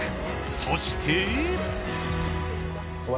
そして。え？